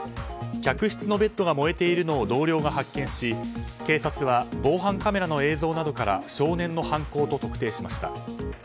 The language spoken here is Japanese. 客室のベッドが燃えているのを同僚が発見し警察は防犯カメラの映像などから少年の犯行と特定しました。